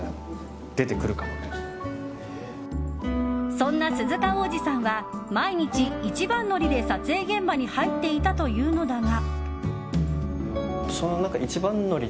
そんな鈴鹿央士さんは毎日、一番乗りで撮影現場に入っていたというのだが。